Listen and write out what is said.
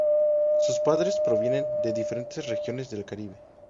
Sus padres provienen de diferentes regiones del Caribe.